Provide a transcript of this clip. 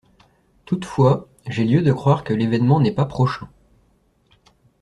Toutefois j'ai lieu de croire que l'événement n'est pas prochain.